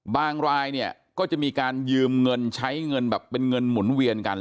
รายเนี่ยก็จะมีการยืมเงินใช้เงินแบบเป็นเงินหมุนเวียนกัน